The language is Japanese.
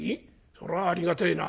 そりゃありがてえな。